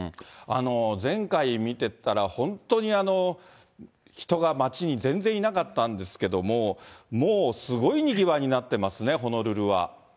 前回見てたら、本当に人が街に全然いなかったんですけれども、もうすごいにぎわいになってますね、ホノルルは。